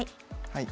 はい。